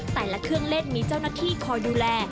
แต่ละเครื่องเล่นมีเจ้าหน้าที่คอยดูแล